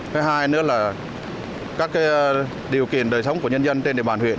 thứ hai nữa là các điều kiện đời sống của nhân dân trên địa bàn huyện